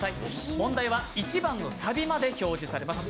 問題は１番のサビまで表示されます。